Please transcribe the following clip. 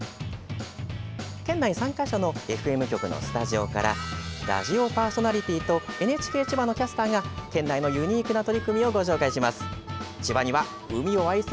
県内３か所のＦＭ局のスタジオからラジオパーソナリティーとＮＨＫ千葉のキャスターが県内のユニークな取り組みをご紹介します。